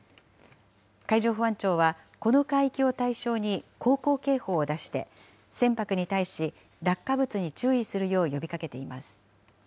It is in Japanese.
海上保安庁はこの海域を対象に航行警報を出して、船舶に対し、落下物に注意するよう呼びかけています。